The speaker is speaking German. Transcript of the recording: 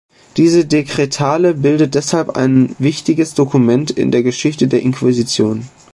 Diese Dekretale bildet deshalb ein wichtiges Dokument in der Geschichte der Inquisition.